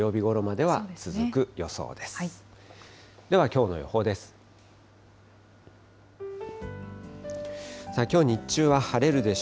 ではきょうの予報です。